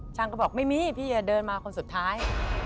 ช่างก็บอกไม่มีพี่จะเดินมาคนสุดท้าย